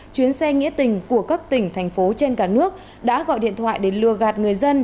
chuyến xe nghĩa tình của các tỉnh thành phố trên cả nước đã gọi điện thoại để lừa gạt người dân